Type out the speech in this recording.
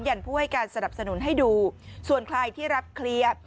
ผู้ให้การสนับสนุนให้ดูส่วนใครที่รับเคลียร์